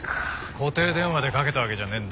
固定電話でかけたわけじゃねえんだ。